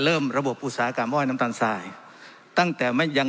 ระบบอุตสาหกรรมห้อยน้ำตาลทรายตั้งแต่ไม่ยัง